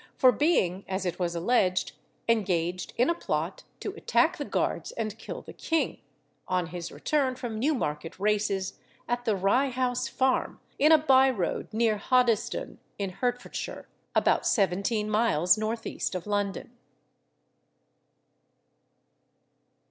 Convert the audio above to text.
for being, as it was alleged, engaged in a plot to attack the guards and kill the king, on his return from Newmarket races, at the Rye House Farm, in a by road near Hoddesdon in Hertfordshire, about seventeen miles north east of London.